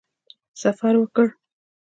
سفر وکړ.